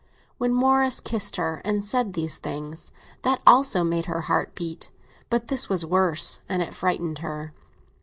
When Morris kissed her and said these things—that also made her heart beat; but this was worse, and it frightened her.